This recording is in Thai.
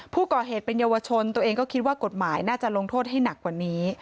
ผู้ก่อเหตุเป็นเยาวชนตัวเองก็คิดว่ากฎหมายน่าจะลงโทษให้หนักกว่านี้